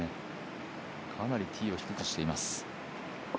かなりティーを低くしています。